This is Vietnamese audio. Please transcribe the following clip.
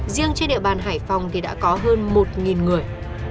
riêng trên địa bàn hải phòng thì đã có hơn một người